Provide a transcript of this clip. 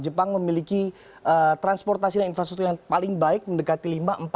jepang memiliki transportasi dan infrastruktur yang paling baik mendekati lima empat